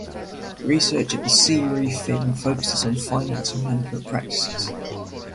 Research at the CeReFiM focuses on finance and management practices.